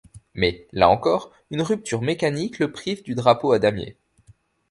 Mais, là encore, une rupture mécanique le prive du drapeau à damiers.